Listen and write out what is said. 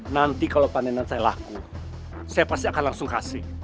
nanti kalau panenan saya laku saya pasti akan langsung kasih